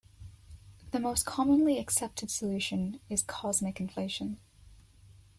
The most commonly accepted solution is cosmic inflation.